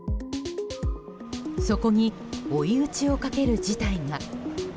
そこに追い打ちをかける事態が。